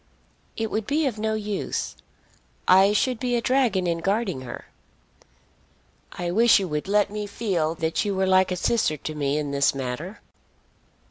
"It would be of no use. I should be a dragon in guarding her." "I wish you would let me feel that you were like a sister to me in this matter."